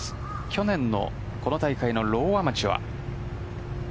去年のこの大会のローアマチュア。